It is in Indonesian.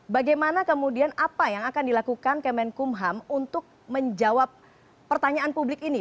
bagaimana kemudian apa yang akan dilakukan kemenkumham untuk menjawab pertanyaan publik ini